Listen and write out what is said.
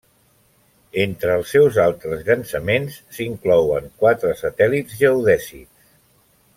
Entre els seus altres llançaments s'inclouen quatre satèl·lits geodèsics.